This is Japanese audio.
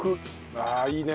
ああいいね。